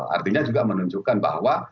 artinya juga menunjukkan bahwa